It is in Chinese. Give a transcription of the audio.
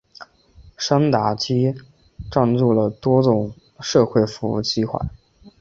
山达基赞助了多种社会服务计画。